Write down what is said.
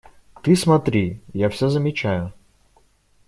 – Ты смотри! Я все замечаю.